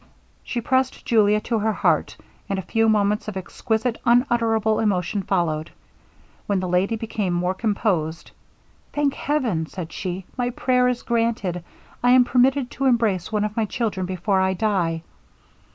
She pressed Julia to her heart, and a few moments of exquisite, unutterable emotion followed. When the lady became more composed, 'Thank heaven!' said she, 'my prayer is granted. I am permitted to embrace one of my children before I die.